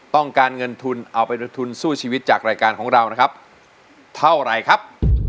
ต้องการเงินทุนเอาไปเป็นทุนสู้ชีวิตจากรายการของเรานะครับเท่าไรครับ